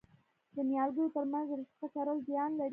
د نیالګیو ترمنځ رشقه کرل زیان لري؟